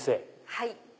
はい。